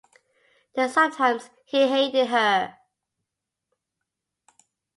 Then sometimes he hated her.